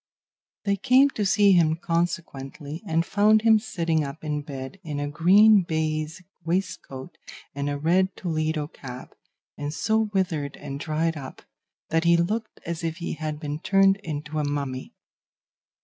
They came to see him consequently, and found him sitting up in bed in a green baize waistcoat and a red Toledo cap, and so withered and dried up that he looked as if he had been turned into a mummy.